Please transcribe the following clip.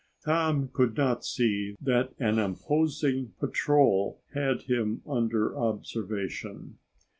Tom could not see that an opposing patrol had him under observation.